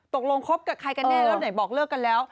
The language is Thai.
ตกลงคบกับใครกันแน่แล้วไหนบอกเลิกกันแล้ว